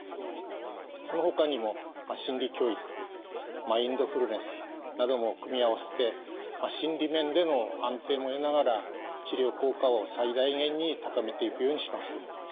そのほかにも心理教育マインドフルネスなども組み合わせて心理面での安定も得ながら治療効果を最大限に高めていくようにします。